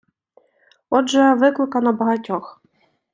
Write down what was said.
Отже, викликано багатьох.